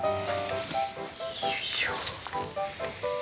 よいしょ。